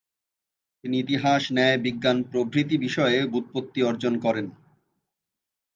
তিনি ইতিহাস, ন্যায়, বিজ্ঞান প্রভৃতি বিষয়ে ব্যুৎপত্তি অর্জন করেন।